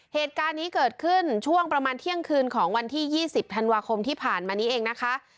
เหตุการณ์นี้เกิดขึ้นช่วงประมาณเที่ยงคืนของวันที่๒๐ธันวาคมที่ผ่านมานี้เองนะคะ